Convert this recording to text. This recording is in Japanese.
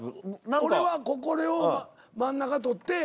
俺はこれを真ん中取って。